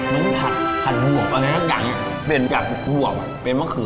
มันผัดผัดบวกอ่ะเนี้ยสักอย่างเนี้ยเป็นจากบวกเป็นมะเขือ